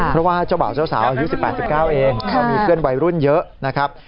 เพราะว่าเจ้าบ่าวเจ้าสาวอายุ๑๘๑๙เองก็มีเพื่อนวัยรุ่นเยอะนะครับ